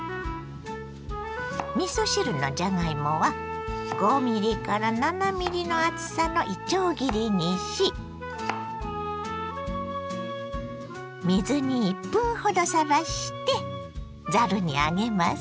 みそ汁のじゃがいもは５７ｍｍの厚さのいちょう切りにし水に１分ほどさらしてざるに上げます。